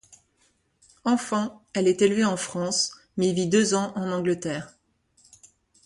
Enfant, elle est élevée en France mais vit deux ans en Angleterre.